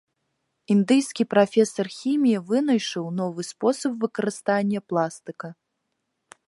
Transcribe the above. Індыйскі прафесар хіміі вынайшаў новы спосаб выкарыстання пластыка.